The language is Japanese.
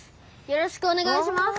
よろしくお願いします。